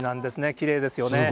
きれいですよね。